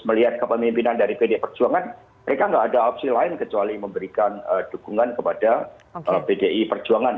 melihat kepemimpinan dari pdi perjuangan mereka nggak ada opsi lain kecuali memberikan dukungan kepada pdi perjuangan